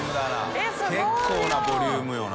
結構なボリュームよな。